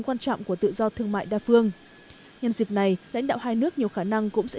quan trọng của tự do thương mại đa phương nhân dịp này lãnh đạo hai nước nhiều khả năng cũng sẽ